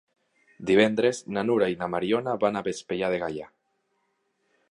Divendres na Nura i na Mariona van a Vespella de Gaià.